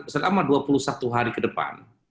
selama dua puluh satu hari ke depan